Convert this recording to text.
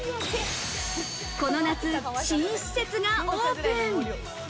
この夏、新施設がオープン。